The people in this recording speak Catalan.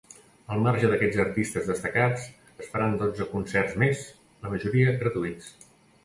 Al marge d’aquests artistes destacats, es faran dotze concerts més, la majoria gratuïts.